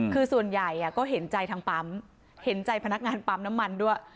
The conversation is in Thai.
คือส่วนใหญ่ก็เห็นใจทางปั๊มเห็นใจพนักงานปั๊มน้ำมันด้วย